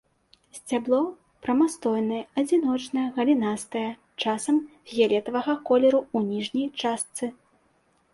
Сцябло прамастойнае, адзіночнае, галінастае, часам фіялетавага колеру ў ніжняй частцы.